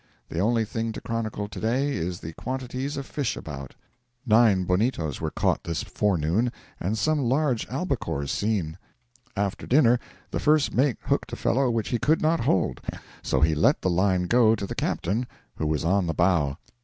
The only thing to chronicle to day is the quantities of fish about; nine bonitos were caught this forenoon, and some large albacores seen. After dinner the first mate hooked a fellow which he could not hold, so he let the line go to the captain, who was on the bow.